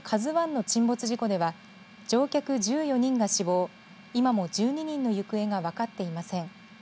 ＫＡＺＵＩの沈没事故では乗客１４人が死亡今も１２人の行方が分かっていません。